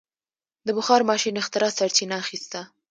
د بخار ماشین اختراع سرچینه اخیسته.